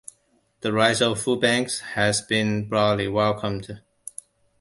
The rise of food banks has been broadly welcomed.